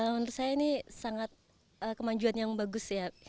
menurut saya ini sangat kemajuan yang bagus ya